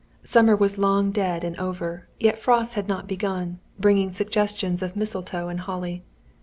Summer was long dead and over, yet frosts had not begun, bringing suggestions of mistletoe and holly.